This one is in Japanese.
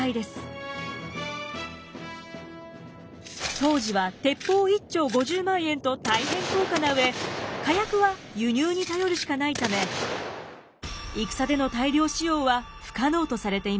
当時は鉄砲１挺５０万円と大変高価な上火薬は輸入に頼るしかないため戦での大量使用は不可能とされていました。